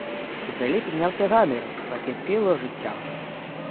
У селі піднявся гамір, закипіло життям.